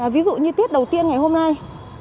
ví dụ như tiết đầu tiên ngày hôm nay